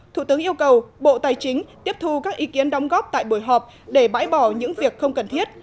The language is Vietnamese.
thủ tướng yêu cầu bộ tài chính tiếp thu các ý kiến đóng góp tại buổi họp để bãi bỏ những việc không cần thiết